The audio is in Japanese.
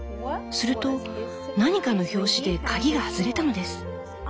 すると何かの拍子で鍵が外れたのです。